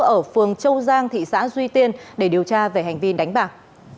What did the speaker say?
ở phường châu giang thị xã duy tiên để điều tra về hành vi đánh bạc